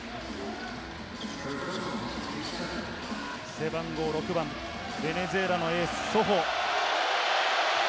背番号６番、ベネズエラのエース、ソホ。